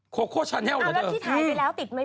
โคโกดชาเนาหรอเจ้า